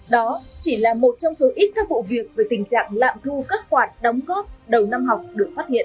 đó chỉ là một trong số ít các vụ việc về tình trạng lạm thu các khoản đóng góp đầu năm học được phát hiện